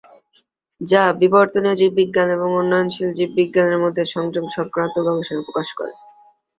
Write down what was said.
যা; বিবর্তনীয় জীববিজ্ঞান এবং উন্নয়নশীল জীববিজ্ঞানের মধ্যে সংযোগ সংক্রান্ত গবেষণা প্রকাশ করে।